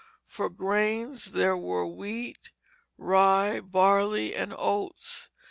For grains there were wheat, rye, barley, and oats.